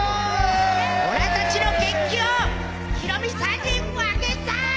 俺たちの元気をヒロミさんに分けっぞ！